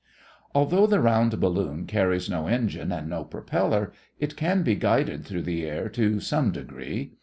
Although a round balloon carries no engine and no propeller, it can be guided through the air to some degree.